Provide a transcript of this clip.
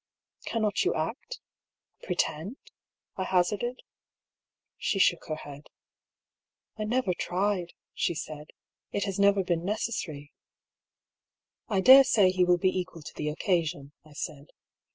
" Cannot you act — pretend ?" I hazarded. She shook her head. " I never tried," she said ;" it has never been ne cessary." " I daresay he will be equal to the occasion," I said.